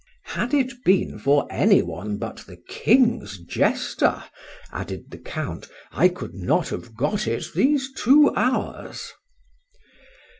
—Had it been for any one but the king's jester, added the Count, I could not have got it these two hours.